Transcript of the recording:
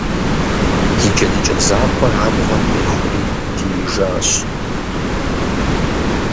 И джэдыкӀэ закъуэр абгъуэм къихури диижащ.